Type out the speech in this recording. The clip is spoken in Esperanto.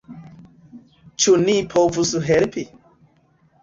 Ĉu ni povus helpi?